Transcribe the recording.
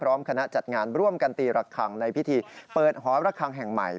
คณะจัดงานร่วมกันตีระคังในพิธีเปิดหอระคังแห่งใหม่